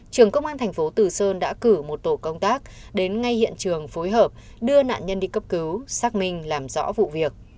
trưởng công an thành phố tử sơn đã cử một tổ công tác đến ngay hiện trường phối hợp đưa nạn nhân đi cấp cứu xác minh làm rõ vụ việc